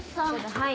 はい。